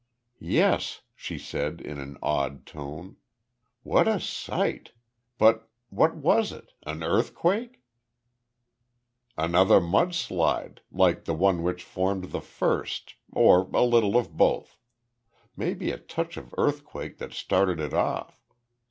"Yes," she said in an awed tone. "What a sight! But what was it? An earthquake?" "Another mud slide, like the one which formed the first or a little of both. Maybe a touch of earthquake that started it off.